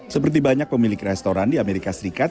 seperti banyak pemilik restoran di amerika serikat